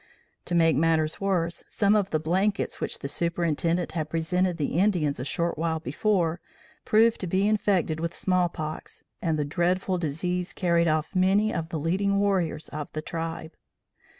To make matters worse, some of the blankets which the Superintendent had presented the Indians a short while before, proved to be infected with small pox and the dreadful disease carried off many of the leading warriors of the tribe.